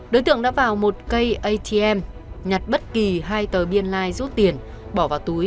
đối tượng đã vào một cây atm nhặt bất kỳ hai tờ biên lai rút tiền bỏ vào túi